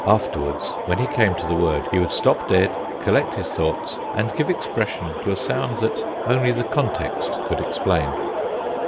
Afterwards, when he came to the word he would stop dead, collect his thoughts, and give expression to a sound that only the context could explain.